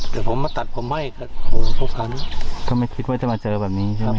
เดี๋ยวผมมาตัดผมให้โฮโภคานะก็ไม่คิดว่าจะมาเจอแบบนี้ใช่ไหมครับ